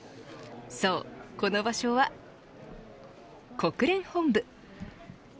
そう、この場所は国連本部。